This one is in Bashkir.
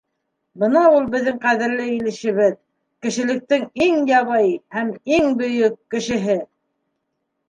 Бына ул беҙҙең ҡәҙерле Ильичебеҙ, кешелектең иң ябай һәм иң бөйөк Кешеһе!